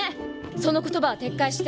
その言葉は撤回して。